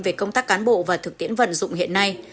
về công tác cán bộ và thực tiễn vận dụng hiện nay